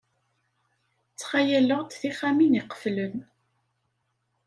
Ttxayaleɣ-d tixxamin iqeflen.